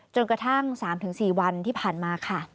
จนกระทั่ง๓๔วันที่ผ่านมาค่ะ